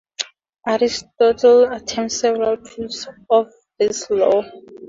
Aristotle attempts several proofs of this law.